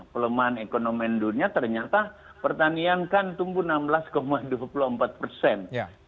pelemahan ekonomi dunia ternyata pertanian kan tumbuh enam belas dua puluh empat persen